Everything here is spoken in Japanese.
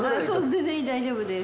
全然大丈夫です。